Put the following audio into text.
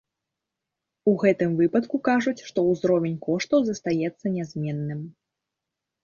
У гэтым выпадку кажуць, што ўзровень коштаў застаецца нязменным.